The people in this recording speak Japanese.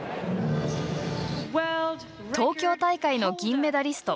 東京大会の銀メダリスト